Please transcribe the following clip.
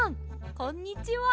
こんにちは！